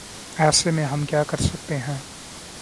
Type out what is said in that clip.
ایسے میں ہم کیا کر سکتے ہیں ۔